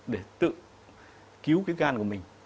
để tự cứu cái gan của mình